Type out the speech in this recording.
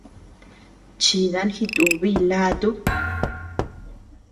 Chidan jitubiy laatu.